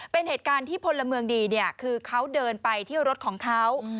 เป็นเหตุการณ์ที่พลเมืองดีเนี่ยคือเขาเดินไปที่รถของเขา